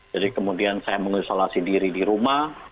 jadi kemudian saya mengesolasi diri di rumah